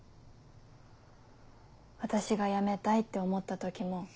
私が辞めたいって思った時も。